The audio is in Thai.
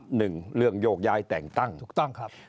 หนึ่งเรื่องโยกย้ายแต่งตั้ง